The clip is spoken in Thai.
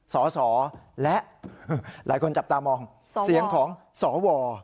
สสและหลายคนจับตามองเสียงของสว